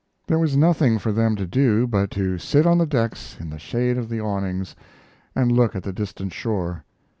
There was nothing for them to do but to sit on the decks in the shade of the awnings and look at the distant shore.